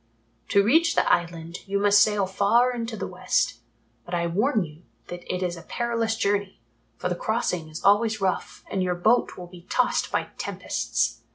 To reach the Island you must sail far into the West, but I warn you that it is a perilous journey, for the crossing is always rough and your boat will be tossed by tempests.